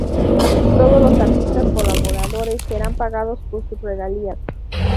Todos los artistas colaboradores serán pagados por sus regalías.